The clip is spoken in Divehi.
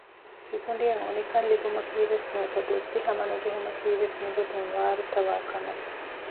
ސިކުނޑިޔަށް އުނިކަން ލިބުމަކީވެސް ނުވަތަ ބުއްދިހަމަނުޖެހުމަކީވެސް މިގޮތުން ވާރުތަވާކަމެއް